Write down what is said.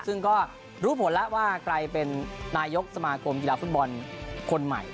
ซึ่งก็รู้ผลแล้วว่าใครเป็นนายกสมาคมกีฬาฟุตบอลคนใหม่